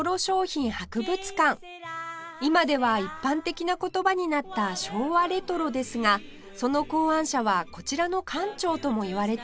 今では一般的な言葉になった「昭和レトロ」ですがその考案者はこちらの館長ともいわれています